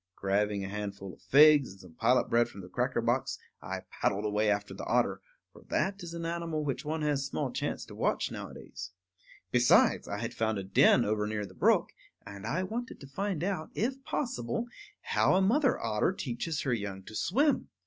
Grabbing a handful of figs, and some pilot bread from the cracker box, I paddled away after the otter; for that is an animal which one has small chance to watch nowadays. Besides, I had found a den over near the brook, and I wanted to find out, if possible, how a mother otter teaches her young to swim.